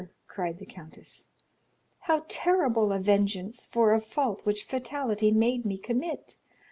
cried the countess, "how terrible a vengeance for a fault which fatality made me commit!